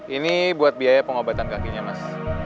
ini buat biaya pengobatan kakinya mas